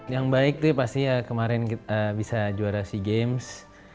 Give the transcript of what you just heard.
yang baik itu pasti ya kemarin kita bisa juara si games